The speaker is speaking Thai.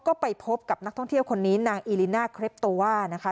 ก็ไปพบกับนักท่องเที่ยวคนนี้นางอีลิน่าเครปโตว่านะคะ